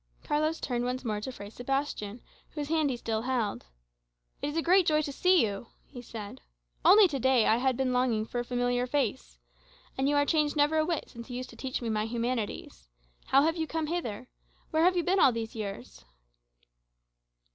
Carlos turned once more to Fray Sebastian, whose hand he still held. "It is a great joy to see you," he said. "Only to day I had been longing for a familiar face. And you are changed never a whit since you used to teach me my humanities. How have you come hither? Where have you been all these years?"